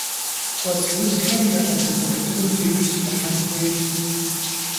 K'uets' vuzxem yê'eze doxutırım dêjj sış'ıhen xuêyş.